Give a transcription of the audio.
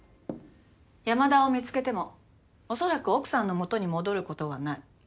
山田を見つけてもおそらく奥さんの元に戻ることはない。